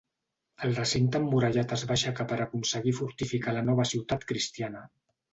El recinte emmurallat es va aixecar per aconseguir fortificar la nova ciutat cristiana.